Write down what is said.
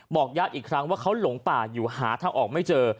ญาติอีกครั้งว่าเขาหลงป่าอยู่หาทางออกไม่เจอ